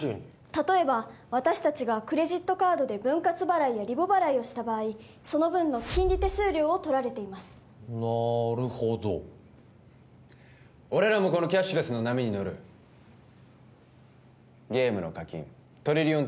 例えば私達がクレジットカードで分割払いやリボ払いをした場合その分の金利手数料を取られていますなるほど俺らもこのキャッシュレスの波に乗るゲームの課金トリリオン